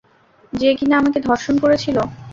যে কিনা আমাকে ধর্ষণ করেছিল।